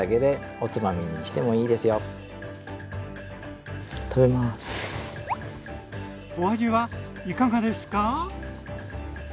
お味はいかがですか？